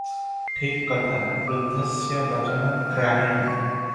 ଠିକ୍ କଥା, 'ବୃଦ୍ଧସ୍ୟ ବଚନଂ ଗ୍ରାହ୍ୟଂ ।